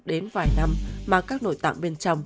đến vài năm mà các nội tạng bên trong